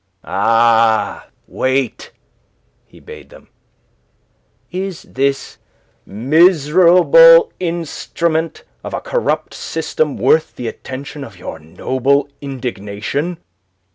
"Ah, wait!" he bade them. "Is this miserable instrument of a corrupt system worth the attention of your noble indignation?"